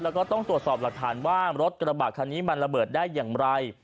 แล้วก็ต้องตรวจสอบหลักฐานว่ารถกระบะคันนี้มันระเบิดได้อย่างไร